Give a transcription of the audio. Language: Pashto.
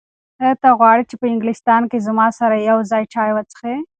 ایا ته غواړې چې په انګلستان کې زما سره یو ځای چای وڅښې؟